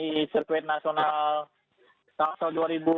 di sirkuit nasional tahun dua ribu dua puluh tiga